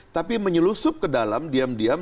tapi menyelusup ke dalam diam diam